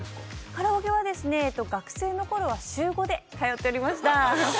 カラオケは、学生のころは週５で通っておりました。